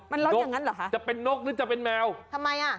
มันร้อนอย่างนั้นเหรอคะจะเป็นนกหรือจะเป็นแมวทำไมอ่ะ